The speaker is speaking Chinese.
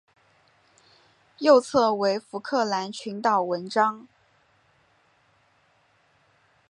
右侧为福克兰群岛纹章。